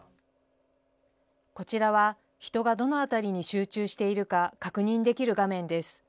こちらは人がどの辺りに集中しているか、確認できる画面です。